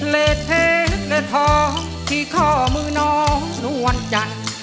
เลทเพชรและทองที่ข้อมือน้องนู่วันจันทร์